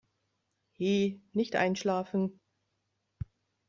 He, nicht einschlafen.